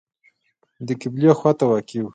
د قبلې خواته واقع و.